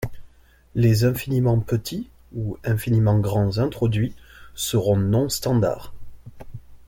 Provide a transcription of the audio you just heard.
Les infiniments petits ou infiniments grands introduits seront non standard.